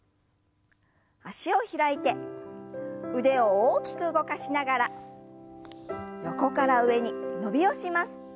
脚を開いて腕を大きく動かしながら横から上に伸びをします。